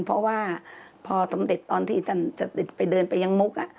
เพราะว่าพอสมเด็จตอนที่ท่านจะไปเดินไปยังมุก